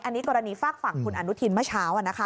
อันนี้กรณีฝากฝั่งคุณอนุทินเมื่อเช้า